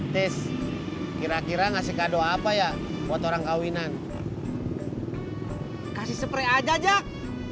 tes kira kira ngasih kado apa ya buat orang kawinan kasih spray aja jack